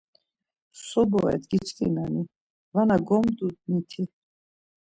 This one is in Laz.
So boret giçkinani vana gomduniti?